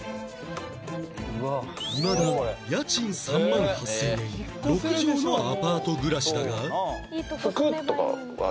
いまだ家賃３万８０００円６畳のアパート暮らしだが